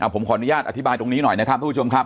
ผมขออนุญาตอธิบายตรงนี้หน่อยนะครับทุกผู้ชมครับ